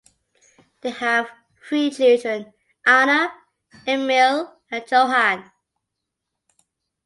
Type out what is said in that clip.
They have three children: Anna, Emilie and Johan.